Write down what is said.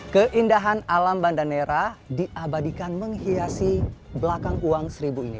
keindahan alam banda nera diabadikan menghiasi belakang uang seribu ini